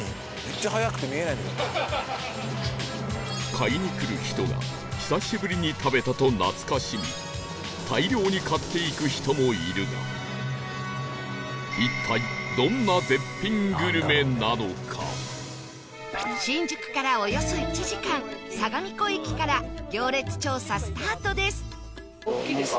買いに来る人が久しぶりに食べたと懐かしみ大量に買っていく人もいるが一体新宿からおよそ１時間相模湖駅から行列調査スタートです